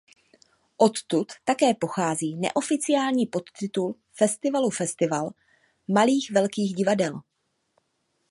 Odtud také pochází neoficiální podtitul festivalu Festival "malých velkých divadel".